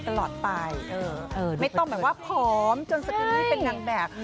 ตลอดไปไม่ต้องหมายว่าพร้อมจนเป็นงานแบบ